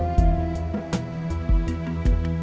saya mau ketemu kang mus